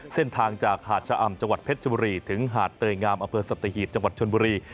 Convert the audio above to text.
เส้นทางจากหาดชะอำจังหวัดเพชรชบุรีถึงหาดเตยงามอำเภอสัตหีบจังหวัดชนบุรี